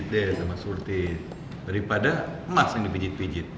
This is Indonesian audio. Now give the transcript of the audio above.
daripada emas yang dipijit pijit